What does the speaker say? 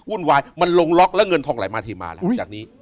วายมันลงล็อกแล้วเงินทองไหลมาเทมาแล้วจากนี้